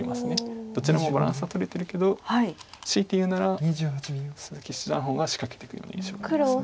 どちらもバランスはとれてるけど強いていうなら鈴木七段の方が仕掛けていく印象があります。